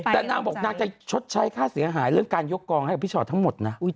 แต่นางบอกนางจะชดใช้ค่าเสียหายเรื่องการยกกองให้กับพี่ชอตทั้งหมดนะ